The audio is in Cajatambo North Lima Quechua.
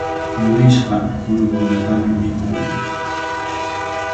Yukishqa kurukunatami mikun.